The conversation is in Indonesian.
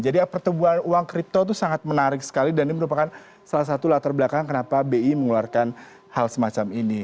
jadi pertumbuhan uang kripto itu sangat menarik sekali dan ini merupakan salah satu latar belakang kenapa bi mengeluarkan hal semacam ini